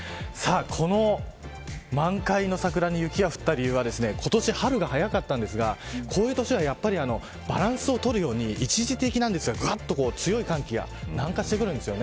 この満開の桜に雪が降った理由は今年、春が早かったんですがこういう年はバランスを取るように一時的なんですが、強い寒気が南下してくるんです。